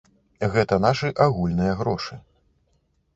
Гэта нашы агульныя грошы.